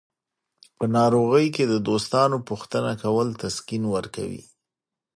په ناروغۍ کې د دوستانو پوښتنه کول تسکین ورکوي.